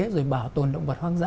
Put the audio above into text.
rồi bảo tồn động vật hoang dã